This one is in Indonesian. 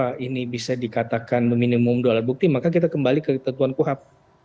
kalau ini bisa dikatakan meminimum dua alat bukti maka kita kembali ke ketentuan kuhap